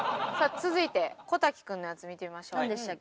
続いて小瀧くんのやつ見てみましょう。